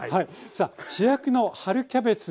さあ主役の春キャベツ